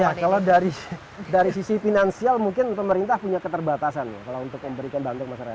ya kalau dari sisi finansial mungkin pemerintah punya keterbatasan ya kalau untuk memberikan bantuan masyarakat